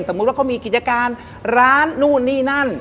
สมมุติว่าเขามีกิจการร้านนู่นนี่นั่น